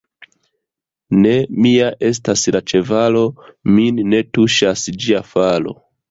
Ne mia estas la ĉevalo, min ne tuŝas ĝia falo.